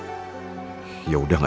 terima kasih sudah nonton